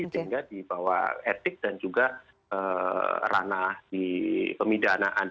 sehingga dibawa etik dan juga ranah di pemerintah